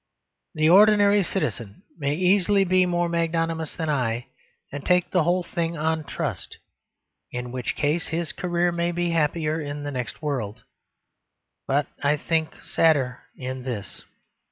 The ordinary citizen may easily be more magnanimous than I, and take the whole thing on trust; in which case his career may be happier in the next world, but (I think) sadder in this.